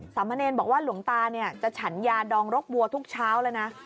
สามมะเนนบอกว่าหลวงตาจะฉันยาดองรกวัวทุกเช้าเลยนะ